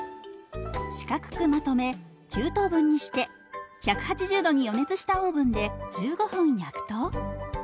四角くまとめ９等分にして１８０度に予熱したオーブンで１５分焼くと。